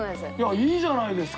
いいじゃないですか。